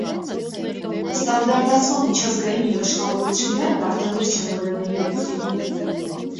Ստանդարտացման միջազգային երաշխավորությունները պարտադիր չեն որևէ երկրին։